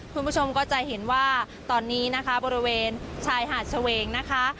คุณผู้ชมก็จะเห็นว่าตอนนี้นะคะบริเวณชายหาดเฉวงนะคะ